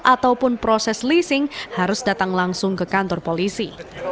ataupun proses leasing harus datang langsung ke kantor polisi